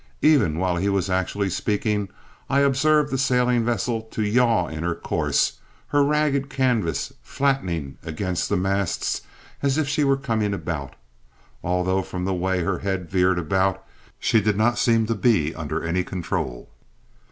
Even while he was actually speaking, I observed the sailing vessel to yaw in her course, her ragged canvas flattening against the masts as if she were coming about, although from the way her head veered about, she did not seem to be under any control.